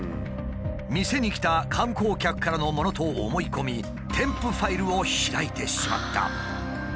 店に来た観光客からのものと思い込み添付ファイルを開いてしまった。